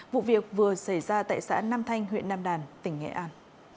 vụ việc vừa xảy ra tại xã nam thanh huyện nam đàn tỉnh nghệ an